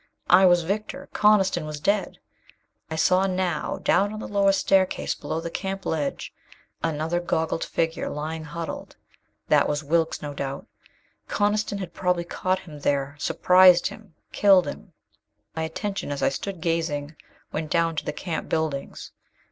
I was victor. Coniston was dead. I saw now, down on the lower staircase below the camp ledge, another goggled figure lying huddled. That was Wilks, no doubt. Coniston had probably caught him there, surprised him, killed him. My attention, as I stood gazing, went down to the camp buildings.